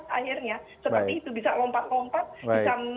seperti itu bisa lompat lompat bisa menggunakan aji mumpung dan sebagainya